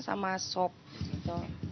sama sok gitu